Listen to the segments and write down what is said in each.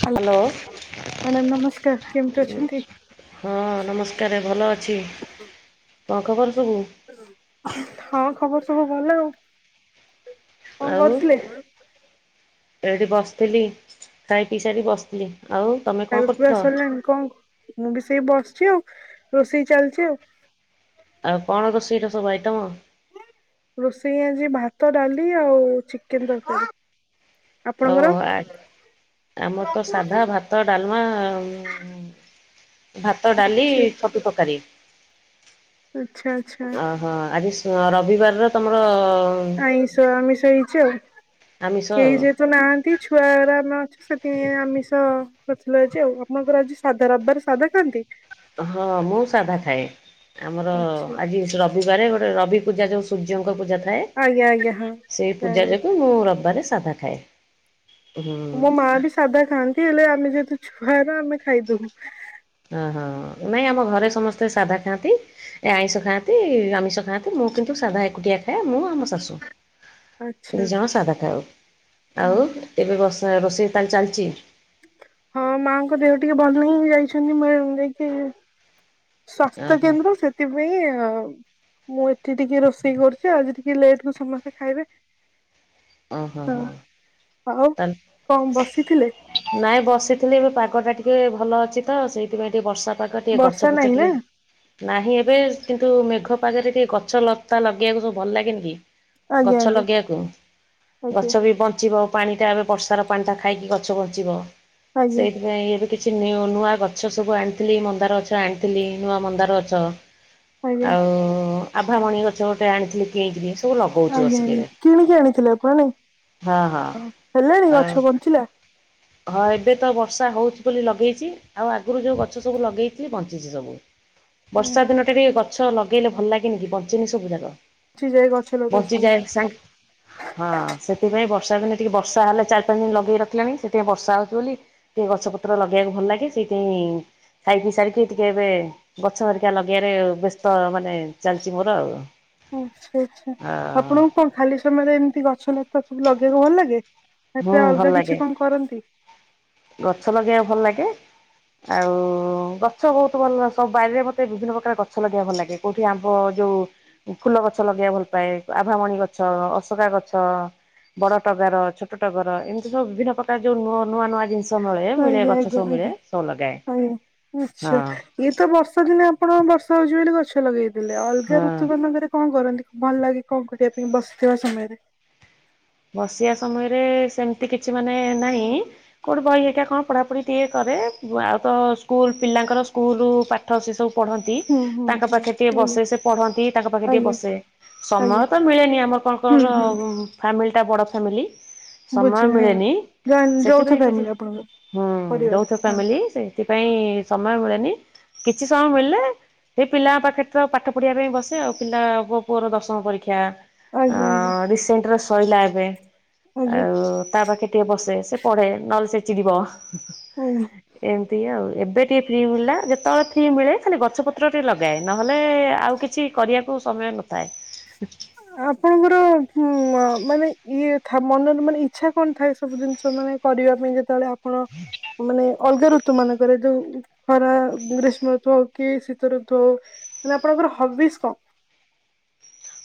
Hello. Madam ନମସ୍କାର କେମିତି ଅଛନ୍ତି? ହଁ ନମସ୍କାର ଭଲ ଅଛି କଣ ଖବର ସବୁ? ହଁ ଖବର ସବୁ ଭଲ ଆଉ। କଣ ଆଉ କରୁଥିଲେ? ଏଇଠି ବସିଥିଲି ଖାଇ ପିଇସାରି ବସିଥିଲି ଆଉ ତମେ କଣ ଖାଇବା ପିଇବା କରୁଥିଲ? ସରିଲାଣି କଣ ମୁଁ ବି ସେଇି ବସିଛି ଆଉ ରୋଷେଇ ଚାଲିଛି ଆଉ। ଆଉ କଣ ରୋଷେଇ ର ସବୁ ଆଇଟମ? ରୋଷେଇ ଆଜି ଭାତ ଡାଲି ଆଉ ଚିକେନ ତରକାରୀ। ଓ ଆପଣଙ୍କର ଆ ଆମର ତ ସାଧା ଭାତ ଡାଲମା ଆଉ ଭାତ ଡାଲି ଆଛା ଛତୁ ତରକାରୀ ଆଚ୍ଛା ଆଚ୍ଛା ଅ ହଁ ଆଜି ସ ରବିବାରର ତମର ଆଇଁଷ ଆମିଷ ହେଇଛି ଆଉ ଆମିଷ କେହି ଆଉ ଯେହେତୁ ନାହାନ୍ତି ଛୁଆରା ଆମେ ଅଛୁ ସେଠି ଆମିଷ କରିଥିଲୁ ଆଜି ଆପଣଙ୍କ ଘରେ ସାଧା ରବିବାର ସାଧା ଖାଆନ୍ତି। ହଁ ମୁଁ ସାଧା ଖାଏ ଆମର ଆଚ୍ଛା ଆଜିି ର ରବିବାରେ ଗୋଟେ ରବି ପୂଜା ଯୋଉ ସୂର୍ଯ୍ୟଙ୍କ ଆଜ୍ଞା ପୂଜାଥାଏ ଆଜ୍ଞା ହଁ ସେଇ ପୂଜା ଜାଣିଲି। ଯୋଗୁଁ ମୁଁ ରବିବାରେ ସାଧା ଖାଏ। ହୁଁ ମୋ ମା ବି ସାଧା ଖାଆନ୍ତି ହେଲେ ଆମେ ଯେହେତୁ ଛୁଆରା ଆମେ ଖାଇଦଉ। ଓହୋ ନାଇଁ ଆମ ଘରେ ସମସ୍ତେ ସାଧା ଖାଆନ୍ତି। ଏ ଆଇଁଷ ଖାଆନ୍ତି ଆମିଷ ଖାଆନ୍ତି ମୁଁ କିନ୍ତୁ ସାଧା ଏକୁଟିଆ ଖାଏ ମୁଁ ଆଉ ମୋ ଶାଶୁ। ଆଚ୍ଛା ତିନି ଆଚ୍ଛା। ଜଣ ସାଧା ଖାଉ ହୁଁ ଆଉ ଏବେ ବସା ରୋଷେଇ ତାଲେ ଚାଲିଛି? ହଁ ମାଙ୍କ ଦେହ ଟିକେ ଭଲ ରହୁନି ଯାଇଛନ୍ତି [unintelligible] ଯାଇକି ଓହୋ [unintelligible] ସେଥିପାଇଁ ଆଉ। ମୁଁ ଏଠି ଟିକେ ରୋଷେଇ କରୁଛି ଆଜି ଟିକେ ଲେଟ୍ କୁ ସମସ୍ତେ ଖାଇବେ। ଓହୋ ହଁ, ହୋ ଆଉ ତାହେଲେ କଣ ବସିଥିଲେ? ନାଇଁ ବସିଥିଲି ଏବେ ପାଗ ଟା ଟିକେ ଭଲ ଅଛି ତ ସେଇଥିପାଇଁ ଟିକେ ବର୍ଷା ପା ଗ ଟିକେ ବର୍ଷା ଗଛ ପଛ ନାହିଁ ନା ଟିକେ ନାହିଁ ଏବେ କିନ୍ତୁ ମେଘ ପାଗରେ ଟିକେ ଗଛ ଲତା ଲଗେଇବାକୁ ସବୁ ଭଲ ଲାଗେନି କି। ଆଜ୍ଞା ଗଛ ଆଜ୍ଞା ଲଗେଇବାକୁ। ଆଜ୍ଞା ଗଛ ବି ବଞ୍ଚିବ ପାଣି ଟା ଏବେ ବର୍ଷାର ପାଣି ଟା ଖାଇକି ଗଛ ବଞ୍ଚିବ ଆଜ୍ଞା ସେଇଥିପାଇଁ ଏବେ କିଛି ନିଉ ନୂଆ ଗଛ ସବୁ ଆଣିଥିଲି ମନ୍ଦାର ଗଛ ଆଣିଥିଲି ନୂଆ ମନ୍ଦାର ଗଛ ଆଜ୍ଞା ଆଉ ଆଭାମଣି ଗଛ ଗୋଟେ ଆଣିଥିଲି କିଣି କିିରି ସବୁ ଲଗଉଛି ଆଜ୍ଞା ବସିକି ଆଜ୍ଞା ଏବେ। କିଣିକି ଆଣିଥିଲେ ହଁ ହଁ [unintelligible] ହେଲାଣି ଆଉ ଗଛ ବଞ୍ଚିଲା? ହଁ ଏବେ ତ ବର୍ଷା ହଉଛି ବୋଲି ଲଗେଇଛି ଆଉ ଆଗରୁ ଯେଉଁ ଗଛ ସବୁ ଲଗେଇଥିଲି ବଞ୍ଚିଛି ସବୁ। [inaudible] ବର୍ଷା ଦିନ ଟା ବି ଗଛ ଲଗେଇଲେ ଭଲ ଲାଗେନି କି ବଞ୍ଚେନି ସବୁ ଯାକ। ଯାଏ ଗଛ ଲତା ସବୁ ବଞ୍ଚିଯାଏ ସାଙ୍ଗ ହଁ ସେଥିପାଇଁ ବର୍ଷା ଦିନେ ଟିକେ ବର୍ଷା ହେଲେ ଚାରି ପାଞ୍ଚ ଦିନ ଲଗେଇ ରଖିଲାଣି ସେ ବର୍ଷା ହଉଛି ବୋଲି ଟିକେ ଗଛ ପତ୍ର ଲଗେଇବାକୁ ଭଲ ଲାଗେ ସେଇଥିପାଇଁ ଖାଇ ପିଇ ସାରିକି ଟିକେ ଏବେ ଗଛ ହରିକା ଲଗେଇବାରେ ବ୍ୟସ୍ତ ମାନେ ଚାଲିଛି ମୋର ଆଉ। ଆଚ୍ଛା, ଆଚ୍ଛା। ଆ ଆପଣଙ୍କୁ କଣ ଖାଲି ସମୟରେ ଏମିତି ଗଛ ଲ ତା ସବୁ ଲଗେଇବାକୁ ଭଲ ଲାଗେ, ନା ହୁଁ ଭଲ ଅଲଗା ଲାଗେ କିଛି କଣ କରନ୍ତି? ଗଛ ଲଗେଇବାକୁ ଭଲ ଲାଗେ। ଆଉ ଗଛ ବହୁତ ଭଲ ସବୁ ବାରିରେ ମତେ ବିଭିନ୍ନ ପ୍ରକାର ଗଛ ଲଗେଇବା ଭଲ ଲାଗେ। କୋଉଠି ଆମ୍ବ ଯୋଉ ଫୁଲ ଗଛ ଲଗେଇବାକୁ ଭଲ ପାଏ, ଆଭାମଣି ଗଛ ଅସକା ଗଛ ବଡ ଟଗର, ଛୋଟ ଟଗର ଏମିତି ସବୁ ବିଭିନ୍ନ ପ୍ରକାର ଯୋଉ ନୂଆ ନୂଆ ନୂଆ ଜିନି ଆଜ୍ଞା, ଆଜ୍ଞା, ଆଜ୍ଞା, ଆଜ୍ଞା ହଁ ଆଛା। ଇଏ ତ ବର୍ଷା ଦିନେ ଆପଣ ବର୍ଷା ହଉଛି ବୋଲି ଗଛ ଲଗେଇଦେଲେ ଅଲଗା ହଁ। ଋତୁ ମାନଙ୍କରେ କଣ କରନ୍ତି ଭଲ ଲାଗେ କଣ କରିବା ପାଇଁ ବସିଥିବା ସମୟରେ? ବସିବା ସମୟରେ ସେମିତି କିଛି ମାନେ ନାହିଁ କୋଉଠି ବହି ହେଇକା କଣ ପଢ଼ାପଢ଼ି ଟିକେ କରେ ଆଉ ତ ସ୍କୁଲ ପିଲାଙ୍କର ସ୍କୁଲ ପାଠ ସେ ସବୁ ପଢ଼ନ୍ତି ହୁଁ ହୁଁ ତାଙ୍କ ହୁଁ ପାଖେ ଟିକେ ଆଜ୍ଞା ବସେ ସେ ପଢ଼ନ୍ତି ତାଙ୍କ ପାଖେ ଟିକେ ଆଜ୍ଞା ବସେ। ସମୟ ଆଜ୍ଞା ତ ମିଳେନି ଆମର କଣ ହୁଁ କଣର ହୁଁ ଫ୍ୟାମିଲିଟା ବଡ଼ ଫ୍ୟାମିଲି। ସମୟ ବୁଝିଲି ହଁ। ମିଳେନି ଯୌଥ ସେଥିପାଇଁ କିଛି ଫ୍ୟାମିଲି ଆପଣଙ୍କର ହୁଁ ପରିବାର ଯଉଥ ହଁ ଫ୍ୟାମିଲି ସେ ସେଥିପାଇଁ ସମୟ ମିଳେନି କିଛି ସମୟ ମିଳିଲେ ଏ ପିଲାଙ୍କ ପାଖେ ତ ପାଠ ପଢ଼ିବା ପାଇଁ ବସେ ଆଉ ପିଲା ମୋ ପୁଅର ଦଶମ ପରୀକ୍ଷା ଅ ଆଜ୍ଞା ଆଜ୍ଞା ରସେଣ୍ଟର ସରିଲା ଏବେ ଆଜ୍ଞା ଆଉ ତା ପାଖେ ଟିକେ ବସେ ସେ ପଢ଼େ ନହେଲେ ସେ ଚିଡିବ ଆଜ୍ଞା। ଏମିତି ଆଉ ଏବେ ଟିକେ ଫ୍ରି ମିଳିଲା ଯେତେବେଳେ ଫ୍ରି ମିଳେ ଖାଲି ଗଛ ପତ୍ର ଟିକେ ଲଗାଏ ନହେଲେ ଆଉ କିଛି କରିବାକୁ ସମୟ ନଥାଏ। ଆପଣଙ୍କର ଉ ମାନେ ଇଏ ମନର ମାନେ ଇଚ୍ଛା କଣ ଥାଏ ସବୁ ଜିନିଷ ମାନେ କରିବା ପାଇଁ ଯେତେବେଳେ ଆପଣ ମାନେ ଅଲଗା ଋତୁ ମାନଙ୍କରେ ଯୋଉ ଖରା ଗ୍ରୀଷ୍ମ ଋତୁ ହଉ କି ଶୀତ ଋତୁ ହଉ ହେଲେ ଆପଣଙ୍କର ହବିଜ କଣ?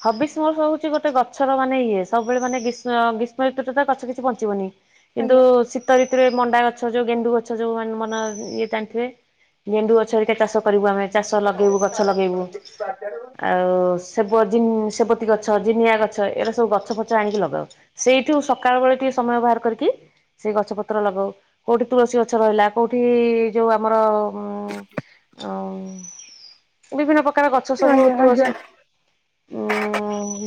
ହବିଜ ମୋର ହଉଛି ଗୋଟେ ଗଛର ମାନେ ଇଏ ସବୁବେଳେ ମାନେ ଗ୍ରୀଷ୍ମ ଗ୍ରୀଷ୍ମ ଋତୁରେ ତ ଗଛ କିଛି ବଞ୍ଚିବନି। କିନ୍ତୁ ଆଜ୍ଞା ଶୀତ ଋତୁରେ ମଣ୍ଡା ଗଛ ଯୋଉ ଗେଣ୍ଡୁ ଗଛ ଯୋଉ ମ ମାନେ ଇଏ ଜାଣିଥିବେ ଗେଣ୍ଡୁ ଗଛ ସେଇଟା ଚାଷ କରିବୁ ଆମେ ଚାଷ ଲଗେଇବୁ ଗଛ ଲଗେଇବୁ। ଆଉ ସେ ବ ଜି ସେବତୀ ଗଛ ଜିନିଆଁ ଗଛ ଏଇଟା ସବୁ ଗଛ ଫଛ ଆଣିକି ଲଗାଉ। ସେଇଠୁ ସକାଳ ଓଳି ଟିକେ ସମୟ ବାହାର କରିକି ସେଇ ଗଛ ପତ୍ର ଲଗାଉ କୋଉଠି ତୁଳସୀ ଗଛ ରହିଲା କୋଉଠି ଯୋଉ ଆମର ହଁ ଆଉ ବିଭିନ୍ନ ପ୍ରକାର ଗଛ ସବୁ ଆଜ୍ଞା ଆଜ୍ଞା ତୁଳସି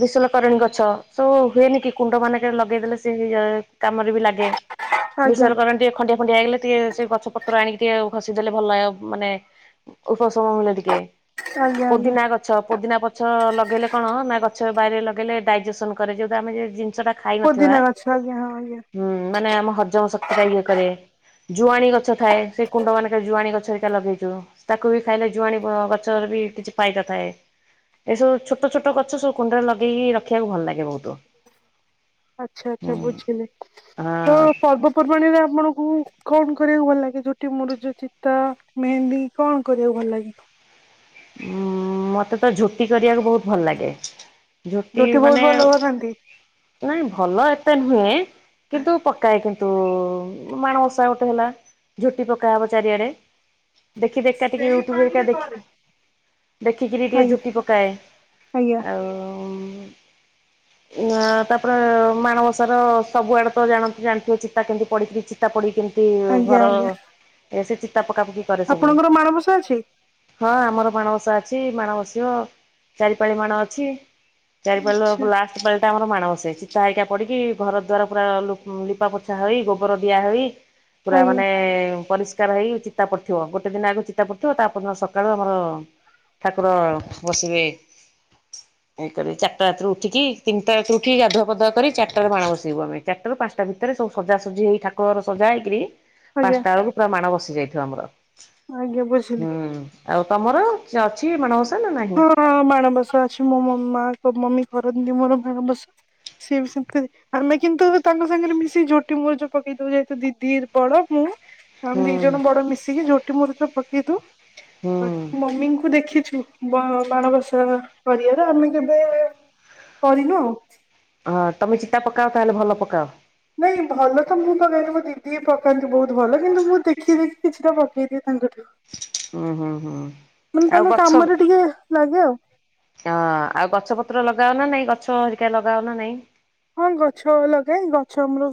ବିଶଲ୍ୟକରଣୀ ଗଛ ସବୁ ହୁଏନି କି କୁଣ୍ଡ ମାନଙ୍କରେ ଲଗେଇଦେଲେ ସେ କାମରେ ବି ଲାଗେ। ଆଜ୍ଞା ବିଶଲ୍ୟକରଣୀ ଟିକେ ଖଣ୍ଡିଆ ଫଣ୍ଡିଆ ହେଇଗଲେ ଟିକେ ସେ ଗଛ ପତ୍ର ଆଣିକି ଟିକେ ଘଷିଦେଲେ ଭଲ ମାନେ ଉପଶମ ମିଳେ ଟିକେ। ଆଜ୍ଞା ଆଜ୍ଞା ପୋଦିନା ଗଛ ପୋଦିନା ପଛ ଲଗ ଗେଇଲେ କଣ ନା ଗଛ ବାଇରେ ଲଗେଇଲେ ଡାଇଜେସନ କରେ ଯୋଉଟା ଆମେ ଜେ ଜି ନିଷଟା ଖାଇ ନଥିବା ପୋଦିନା ଗଛ ଆଜ୍ଞା ହଁ ଆଜ୍ଞା ହୁଁ ମାନେ ଆମ ହଜମ ଶକ୍ତି ଟା ଇଏ କରେ। ଜୁଆଣି ଗଛ ଥାଏ। ସେ କୁଣ୍ଡ ମାନଙ୍କରେ ଜୁଆଣି ଗଛ ହେରିକା ଲଗେଇଛୁ। ତାକୁ ବି ଖାଇଲେ ଜୁଆଣି ଗ ଗଛର ବି କିଛି ଫାଇଦା ଥାଏ। ଏସବୁ ଛୋଟ ଛୋଟ ଗଛ ସବୁ କୁଣ୍ଡରେ ଲଗେଇକି ରଖିବାକୁ ଭଲ ଲାଗେ ବହୁତ। ଆଚ୍ଛା ହୁଁ ଆଚ୍ଛା ବୁଝିଲି ତ ହଁ ପର୍ବ ପର୍ବାଣିରେ ଆପଣଙ୍କୁ କଣ କରିବାକୁ ଭଲ ଲାଗେ? ଝୋଟି, ମୁରୁଜ, ଚିତା, ମେହେନ୍ଦି କଣ କରିବାକୁ ଭଲ ଲାଗେ? ଉଁ ମତେ ତ ଝୋଟି କରିବାକୁ ବହୁତ ଭଲ ଲାଗେ। ଝୋଟି ମାନେ ବହୁତ ଭଲ ବନାନ୍ତି ନାଇଁ ଭଲ ଏତେ ନୁହେଁ କିନ୍ତୁ ପକାଏ କି ନ୍ତୁ ମାଣ ମଷା ଗୋଟେ ହେଲା ଝୋଟି ପକାହବ ଚାରିଆଡେ। ଦେଖି ଦେଖିକା ଟିକେ ୟୁଟ୍ୟୁବ୍ ହେରିକା ଦେଖି ଦେଖିକିରି ଟିକେ ଆଜ୍ଞା ଝୋଟି ପକାଏ। ଆଜ୍ଞା ଆଉ ନାଁ ତାପରେ ମାଣବସାର ସବୁଆଡେ ତ ଜାଣନ୍ତି ଜାଣିଥିବେ ଚିତା କେମିତି ପଡ଼ିକିରି ଚିତାପଡିି କେମିତି ଆଜ୍ଞା ଘର ଆଜ୍ଞା ସେ ଚିତା ପକା ପକି କରେ ସବୁ। ଆପଣଙ୍କର ମାଣବସା ଅଛି? ହଁ ଆମର ମାଣବସା ଅଛି। ମାଣ ବସିବ ଚାରିପାଳି ମାଣ ଅଛି। ଚାରିପାଳିର ଆଚ୍ଛା ପୁ ଲାସ୍ ପାଳି ଟା ଆମର ମାଣ ବସେ। ଚିତା ହେରିକା ପଡିକି ଘର ଦ୍ଵାର ପୁରା ଲୁପ ଲିପା ପୋଛା ହେଇ ଗୋବର ଦିଆ ହେଇ ପୁରା ଆଜ୍ଞା ମାନେ ପରିଷ୍ କାର ହେଇ ଚିତା ପଡ଼ିଥିବ ଗୋଟେ ଦିନ ଆଗୁରୁ ଚିତା ପଡ଼ିଥିବ। ତାପରଦିନ ସକାଳୁ ଆମର ଠାକୁର ବସିବେ। ଏଇକରି ଚାରିଟା ରାତିରୁ ଉଠିକି ତିନିଟା ରାତିରୁ ଉଠିକି ଗାଧୁଆ ପାଧୁଆ କରି ଚାରିଟାରେ ମାଣ ବସେଇବୁ ଆମେ। ଚାରିଟାରୁ ପାଞ୍ଚଟା ଭିତରେ ସବୁ ସଜାସଜି ହେଇ ଠାକୁର ଘର ସଜା ହେଇକିରି ଆଜ୍ଞା ପାଞ୍ଚଟା ବେଳକୁ ପୁରା ମାଣ ବସି ଯାଇଥିବ ଆମର। ଆଜ୍ଞା ବୁଝିଲି। ହୁଁ ଆଉ ତମର? ସେ ଅଛି ମଣବସା ନା ନାହିଁ? ହଁ ମାଣବସା ଅଛି। ମୋ ମ ମା ମମି କରନ୍ତି ମୋର ମାଣବସା। ସିଏ ବି ସେମିତି ଆମେ କିନ୍ତୁ ତାଙ୍କ ସାଙ୍ଗରେ ମିଶି ଝୋଟି ମୁରୁଜ ପକେଇଦଉ ଯେହେତୁ ଦିଦି ବଡ ମୁଁ, ଆମେ ହୁଁ ଦି ଜଣ ବଡ ମିଶିକି ଝୋଟି ମୁରୁଜ ପକେଇଦଉ। ହୁଁ ମମିଙ୍କୁ ଦେଖିଛୁ? ବ ମାଣବସା କରିବାର ଆମେ କେବେ କରିନୁ ଆଉ। ହଁ, ତମେ ଚିତା ପକାଅ ତାହେଲେ ଭଲ ପକାଅ? ନାଇଁ ଭଲ ତ ମୁଁ ପକାଏନି ମୋ ଦିଦି ପକାନ୍ତି ବହୁତ ଭଲ କିନ୍ତୁ ମୁଁ ଦେଖି ଦେଖି କିଛିଟା ପକ ଦେଇଦିଏ ତାଙ୍କଠୁ, ହୁଁ ହୁଁ ହୁଁ। ମାନେ ଆଉ ତାଙ୍କ ଗଛ ହଁ କାମରେ ଟିକେ ଲାଗେ ଆଉ। ଆଉ ଗଛ ପତ୍ର ଲଗାଅ ନା ନାଇଁ ଗଛ ହେରିକା ଲଗାଅ ନା ନାଇଁ? ହଁ ଗଛ ଲଗାଏ ଗଛ ଆମର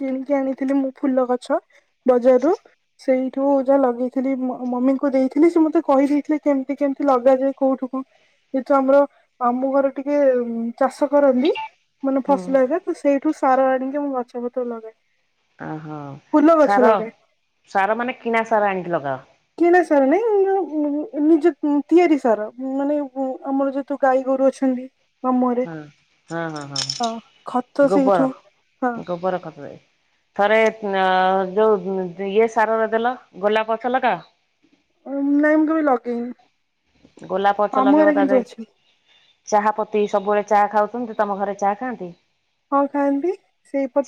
କିଣିକି ଆଣିଥିଲି ମୁଁ ଫୁଲ ଗଛ ବଜାରରୁ ସେଇ ଠୁ ଯା ଲଗେଇଥିଲି ମମିଙ୍କୁ ଦେଇଥିଲି ସେ ମତେ କହିଦେଇଥିଲେ କେମତି କେମିତି ଲଗାଯାଏ କୋଉଠୁ କୋଉଠୁ ଯେହେତୁ ଆମର ମାମୁଁ ଘର ଟିକେ ଚାଷ କରନ୍ତି ମାନେ ହୁଁ ଫସଲ ହେରିକା ତ ସେଇଠୁ ସାର ଆଣିକି ମୁଁ ଗଛପତ୍ର ଲଗାଏ। ଓହୋ ଫୁଲ ଗଛ ସାର, ଲଗାଏ ସାର ମାନେ କିଣା ସାର ଆଣିିକି ଲଗାଅ? କିନା ସାର ନାଇଁ ନିଜ ତିଆରି ସାର ମାନେ ଆମର ଯ ତୁ ଗାଈ ଗୋରୁ ଅଛନ୍ତି ମାମୁରେ ମୁହଁରେ ହଁ ହଁ ହଁ ହଁ ତ ଖତ ସେଇଠୁ ହଁ ଗୋବରଖତରେ ଥରେ ଯୋଉ ଇଏ ସାରରେ ଦେଲ ଗୋଲାପ ଗଛ ଲଗାଅ? ନାଇଁ ମୁଁ କେବେ ଲେଗେଇନି। ଗୋଲାପ ଗଛ ଲଗେଇବ ତା ଦେ ଅଛି। ଚାହା ପତି ସବୁବେଳେ ଚାହା ଖାଉଛନ୍ତି ତମ ଘରେ ଚାହା ଖାଆନ୍ତି? ହଁ ଖାଆନ୍ତି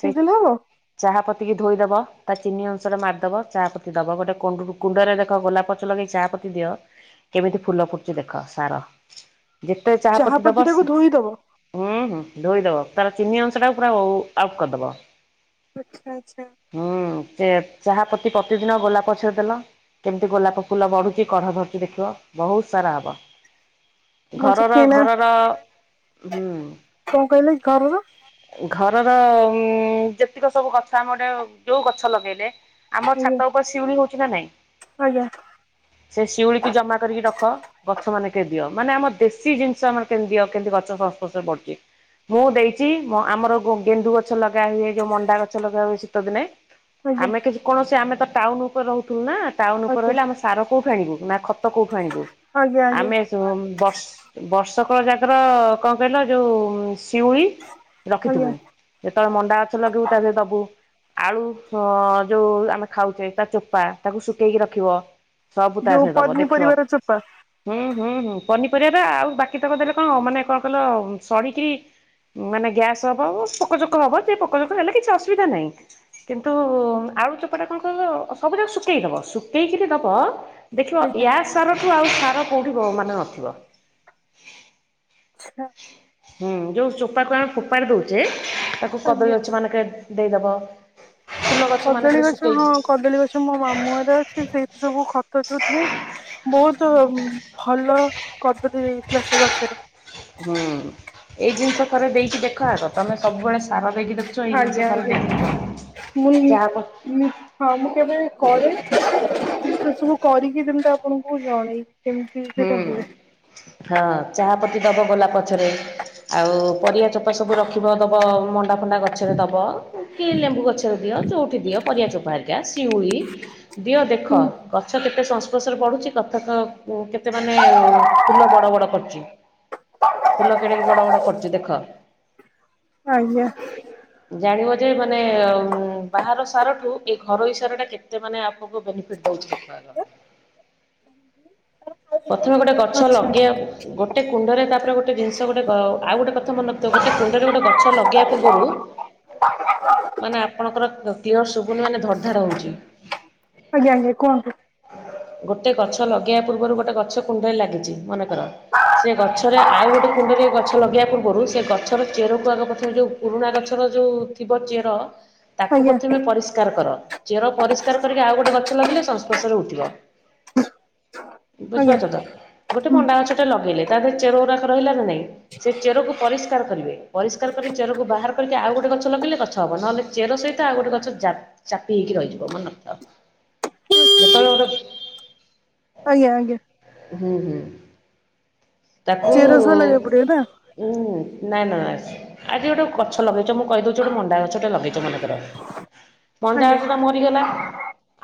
ସେଇ ଦେଲେ ହବ? ଚାହା ପତିକି ଧୋଇଦବ ତା ଚିନି ଅନୁସାରେ ମାରିଦବ ଚାହା ପୋତି ଦବ ଗୋଟେ କ କୁଣ୍ଡରେଖ ଗୋଲାପଛ ଲଗେଇ ଚାହା ପ ଦିଅ କେମିତି ଫୁଲ ଫୁଟୁଛି ଦେଖ ସାର ଯେତେ ଚାହା ପତି ଦବ ହୁଁ ହୁଁ ଧୋଇଦବ ତାର ଚିନି ଅଂଶ ଟା ପୁରା ଆଉଟ୍ କରିଦବ। ଆଛା ଆଛା। ହୁଁ ସେ ଚାହା ପତି ପ୍ରତିଦିନ ଗୋଲାପ ପଛରେ ଦେଲ କେମିତି ଗୋଲାପ ଫୁଲ ବଢୁଛି କଢ ଧରୁଛି ଦେଖିବ। ବହୁତ ସାରା ହବ ମତେ ଘରର କିଣା ଘରର ହୁଁ କଣ କହିଲେ ଘରର ଘରର ଉ ଯେତିକ ସବୁ ଗଛ ଆମେ ଗୋଟେ ଯୋଉ ଗଛ ଲଗେଇଲେ ଆମର ଆଜ୍ଞା ଛାତ ଉପରେ ଶିଉଳି ହଉଛି ନା ନାଇଁ ଆଜ୍ଞା। ସେ ଶିଉଳିିକି ଜମା କରିକି ରଖ ଗଛ ମାନେ କେ ଦିଅ ମାନେ ଆମର ଦେଶୀ ଜିନିଷ ଆମର କେମି ଦିଅ କେମିତି ଗଛ ସଂସ୍ପର୍ଶରେ ବଢିଛି। ମୁଁ ଦେଇଛି ଆମର ଗେଣ୍ଡୁ ଗଛ ଲଗା ହୁଏ ଯୋଉ ମଣ୍ଡା ଗଛ ଲଗା ହୁଏ ଶୀତ ଦିନେ ଆଜ୍ଞା ଆମେ କିଛି କୌଣସି ଆମେ ତ ଟାଉନ ଉପରେ ରହୁଥିଲୁ ନା ଟାଉନ ଉପରେ ଆଜ୍ଞା ରହିଲେ ଆମେ ସାର କୋଉଠି ଆଣିବୁ ନା ଖତ କୋଉଠି ଆଣିବୁ। ଆଜ୍ଞା ଆଜ୍ଞା ଆମେ ବର୍ଷ ବର୍ଷକ ଜାଗର କଣ କହିଲ ଯେଉଁ ଶିଉଳି ଆଜ୍ଞା ରଖିଥିବୁ ଯେତେବେଳେ ମଣ୍ଡା ଗଛ ଲଗିବୁ ତା ଦେହରେ ଦବୁ ଆଳୁ ଯୋଉ ଆମେ ଖାଉଛେ ତା ଚୋପା ତାକୁ ଶୁଖେଇକି ରଖିବ ସବୁ ତା ଯୋଉ ଦେହରେ ଦବ ଦେଖିବ ପନିପରିବାର ଚୋପା ହୁଁ ହୁଁ ହୁଁ ପନିପରିବା ଟ ଆଉ ବାକି ତ କଦେଲେ କଣ ମାନେ କଣ କହିଲ ଶାଢ଼ୀ କିରି ମାନେ ଗ୍ୟାସ୍ ହବ ପୋକଚୋକ ହବ ସେ ପୋକଚୋକ ହେଲେ କିଛି ଅସୁବିଧା ନାହିଁ। କିନ୍ତୁ ଆଉୁ ଚୋପଟା କଣ କହିଲ ସବୁ ଯାକ ଶୁକେଇଦବ ଶୁଖେଇକିରି ଦବ ଦେଖିବ ୟା ସାରଠୁ ଆଉ ସାର କେଉଁଠି ମାନେ ନଥିବ। ଆଚ୍ଛା ହୁଁ ଯୋଉ ଚୋପାକୁ ଆମେ ଫୋପାଡ଼ି ଦଉଛେ ତାକୁ ଆଜ୍ଞା କଦଳୀ ଅଛ ମାନେକ ଦେଇ ଦବ କଦଳୀ ଗଛ ହଁ କଦଳୀ ଗଛ ମୋ ମାମୁଁଘରେ ଅଛି ସେଇଠି ସବୁ ଖତ ଯୋଉ ଦିଅନ୍ତି ବହୁତ ଭଲ କଦଳୀ ହେଇଥିଲା ସେଗଛରେ ହୁଁ ଏଇ ଜିନିଷ ଥରେ ଦେଇକି ଦେଖ ଆଗ। ତମେ ସବୁବେଳେ ସାର ଦେଇକି ଦେଉଚ ଏଇ ଜିନିଷ ଆଜ୍ଞା ଥରେ ଆଜ୍ଞା। ଦେଖିବ ମୁଁ ଯାହା ହଁ ମୁଁ କେବେ କରେନି ସେସବୁ କରିକି ଯେମିତି ଆପଣଙ୍କୁ ଜଣେଇବି। କେମିତି ହୁଁ ସେଇଟା ହୁଏ। ହଁ ଚାହା ପତି ଦବ ଗୋଲାପ ଗଛରେ ଆଉ ପରିବା ଚୋପା ସବୁ ରଖିବ ଦବ ମଣ୍ଡା ଫଣ୍ଡା ଗଛରେ ଦବ କି ଲେମ୍ବୁ ଗଛରେ ଦିଅ ଯେଉଁଠି ଦିଅ ପରିବା ଚୋପା ହେ ଆଜ୍ା ସିଉଳି ଦିଅ ଦେଖ ହୁଁ ଗଛ କେତେ ସଂସ୍ପର୍ଶରେ ପଡ଼ୁଚି କଥା କେତେ ମାନେ ଫୁଲ ବଡ଼ ବଡ଼ କରୁଚି। ଫୁଲ କେଡ଼େ ବଡ଼ ବଡ଼ କରୁଚି ଦେଖ। ଆଜ୍ଞା। ଜାଣିବଯେ ମାନେ ବାହାର ସାରଠୁ ଏଘରୋଇ ସାରଟା କେତେ ମାନେ ଆପଣଙ୍କୁ ବେନିଫିଟ୍ ଦେଉଚି। ଦେଖିବାର [inaudible] ପ୍ରଥମେ ଗୋଟେ ଗଛ ଆଚ୍ଛା ଲଗେଇବାକୁ ଗୋଟେ କୁଣ୍ଡରେ ତାପରେ ଗୋଟେ ଦିନ୍ଷ ଗୋଟେ ଆଉଗୋଟେ କଥା ମନେ ରଖିଥିବ ଗୋଟେ କୁଣ୍ଡରେ ଗୋଟେ ଗଛ ଲଗେଇବା ପୂର୍ବରୁ [inaudible] ମାନେ ଆପଣଙ୍କର କ୍ଲିୟର ଶୁବୁନି ମାନେ ଧର ଧାଡ଼ ହଉଚି। ଆଜ୍ଞା ଆଜ୍ଞା କୁହନ୍ତୁ। ଗୋଟେ ଗଛ ଲଗେଇବା ପୂର୍ବରୁ ଗୋଟେ ଗଛ କୁଣ୍ଡରେ ଲାଗିଚି ମନେକର ସେ ଗଛରେ ଆଉ ଗୋଟେ କୁଣ୍ଡରେ ଗଛ ଲଗେଇବା ପୂର୍ବରୁ ସେଗଛର ଚେରକୁ ଆଗ ପଥରେ ଯେଉଁ ପୁରୁଣା ଗଛର ଯେଉଁ ଥିବ ଚେର ତାକୁ ଆଜ୍ଞା ପ୍ରଥମେ ପରିଷ୍କାର କର ଚେର ପରିଷ୍କାର କରିକି ଆଉ ଗୋଟେ ଗଛ ଲଗେଇେ ସଂସ୍ପର୍ଶରେ ଉଠିବ। ଆଜ୍ଞା ବୁଝିପାରୁଚତ ଗୋଟେ ହୁଁ ମଣ୍ଡା ଗଛଟେ ଲଗେଇଲେ ତା ଦେହରେ ଚେରଉରାକ ରହିଲାନା ନାଇଁ। ସେ ଚେରକୁ ପରିଷ୍କାର କରିବେ ପରିଷ୍କାର କରି ଚେରକୁ ବାହାର କରିକି ଆଉ ଗୋଟେ ଗଛ ଲଗେଇଲେ ଗଛ ହବ ନହେଲେ ଚେର ସହିତ ଆଉ ଗୋଟେ ଗଛ ଜା ଚାପି ହେଇକି ରହିଯିବ ମନେ ରଖିଥାଅ ଯେତେବେଳେ ଗୋଟେ ଆଜ୍ଞା ଆଜ୍ଞା। ହୁଁ ହୁଁ ତାକୁ ଚେର ସହ ଲଗେଇବାକୁ ପଡିବ ନା ହୁଁ ନା ନା ଆଜି ଗୋଟେ ଗଛ ଲଗେଇଚ ମୁଁ କହିଦଉଚି ଗୋଟେ ମଣ୍ଡା ଗଛଟେ ଲଗେଇଚ ମନେକର ମଞ୍ଜା ଆଜ୍ଞା ଗଛଟା ମରିଗଲା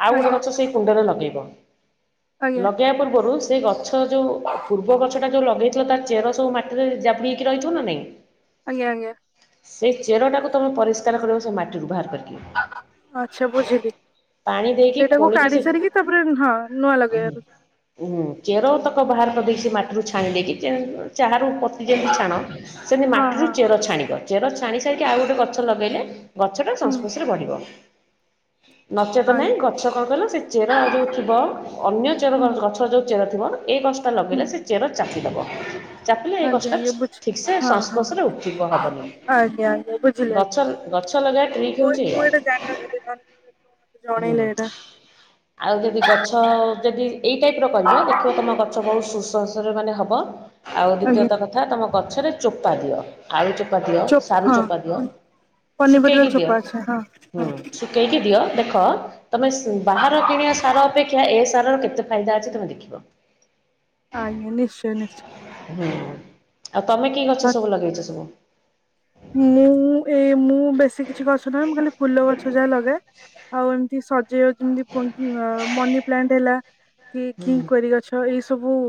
ଆଉ ଗୋଟେ ଆଜ୍ଞା ଗଛ ସେଇ କୁଣ୍ଡରେ ଲଗେଇବ ଆଜ୍ଞା ଲଗେଇବା ପୂର୍ବରୁ ସେ ଗଛ ଯୋଉ ପୂର୍ବ ଗଛଟା ଯୋଉ ଲଗେଇଥିଲା ତାର ଚେର ସବୁ ମାଟିରେ ଜାବୁଡ଼ିକି ରହିଥିବନା ନାଇଁ। ଆଜ୍ଞା ଆଜ୍ଞା। ସେଇ ଚେରଟାକୁ ତମେ ପରିଷ୍କାର କରିବ ସେମାଟିରୁୁ ବାହାର କରି ଆଛା ବୁଝିଲି ପାଣି ଦେଇକି ସେଇଟାକୁ କାଢି ସାରିକି ତାପରେ ହଁ। ନୂଆ ଓହ ଲଗେଇବାର ଉଁ ଚେରତକ ବାହାର କରି ଦେଇ ସେମାଟିରୁ ଛାଣି ଦେଇକି ଚାରାରୁ ପ ଯେମିତି ଛାଣ ସେମିତି ହଁ ମାଟିରୁ ହଁ ଚେର ଛାଣିବ ଚେର ଛାଣି ସାରିକି ଆଉ ଗୋଟେ ଗଛ ଲଗେଇଲେ ଗଛଟା ହୁଁ ସଂସ୍ପୋଶରେ ବଢ଼ିବ। ନଚେତ ନାଇଁ ଆଜ୍ଞା ଗଛ କଣ କହିଲ ସେଚେର ଯୋଉ ଥିବ ଅନ୍ୟ ଚେର ହୁଁ କଣ କ ଗଛର ଯୋଉ ଚେର ଥିବ ଏ ଗଛଟା ହୁଁ ଲଗେଇଲେ ସେ ଚେର ଚାପିଦବ। ଚାପିଲେ ଏଇ ଆଜ୍ଞା ଗଛଟା ଆଜ୍ଞା ବୁଝି ଠିକ୍ ସେ ହଁ ହଁ ସଂସ୍ପର୍ଶରେ ଉଠିବ ହବନି। ଆଜ୍ଞା ଆଜ୍ଞା ବୁଝିଲି ଆଜ୍ଞା ଗଛ, ଗଛ ଲଗେଇବା ଟ୍ରିକ୍ ମୁଁ ହଉଛି ଏଇଆ। ନଡେଇଲେ ହୁଁ। ଏଇଟା। ଆଉ ଯଦି ଗଛ ତ ଯଦି ଏଇ ଟାଇପ୍ ର କରିବ ଦେଖିବ ତମ ଗଛ ବହୁତ ସୁସଂସ୍ପର୍ଶରେ ମାନେ ହବ। ଆଉ ଆଜ୍ଞା ଦ୍ଵିତୀୟତ କଥା ତମ ଗଛରେ ଚୋପା ଦିଅ। ଆଳୁ ଚୋପା ଦିଅ, ଚୋପ୍ ସାରୁ ହଁ ଚୋପା ଦିଅ, ପନିପରିବା ଶୁଖେଇକି ଚୋପା ଦିଅ, ଆଚ୍ଛା ହଁ ହୁଁ। ହଁ କେଇକି ଦିଅ ଦେଖ ତମେ ବାହାର କିଣିବା ସାର ଅପେକ୍ଷା ଏ ସାରର କେତେ ଫାଇଦା ଅଛି ତମେ ଦେଖିବ। ଆଜ୍ଞା ନିଶ୍ଚୟ, ନିଶ୍ଚୟ। ହୁଁ, ଆଉ ତମେ କି ଗଛ ସବୁ ଲଗେଇଛ ସବୁ? ମୁଁ ଏଇ ମୁଁ ବେଶୀ କିଛି ଗଛ ନାହଁ ମୁଁ ଖାଲି ଫୁଲ ଗଛ ଯାହା ଲଗାଏ। ଆଉ ଏମିତି ସ ଯେଅ ଯେମିତି [unintelligible] ମନି ପ୍ଲାଣ୍ଟ ହେଲା, କି ହୁଁ। ଖି କ୍ଵାରି ଗଛ ଏଇ ସବୁ।